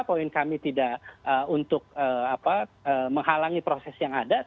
poin kami tidak untuk menghalangi proses yang ada